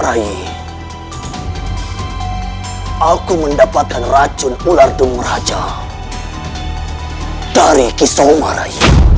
rayi aku mendapatkan racun ular dumraja dari kisoma rayi